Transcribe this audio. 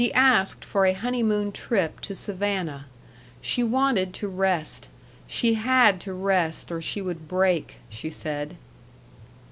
She asked for a honeymoon trip to Savannah. She wanted to rest; she had to rest or she would break, she said.